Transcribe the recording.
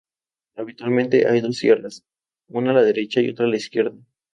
Habitualmente hay dos sierras, una a la derecha y otra a la izquierda.